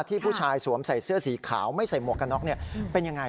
ผู้ชายสวมใส่เสื้อสีขาวไม่ใส่หมวกกันน็อกเป็นยังไง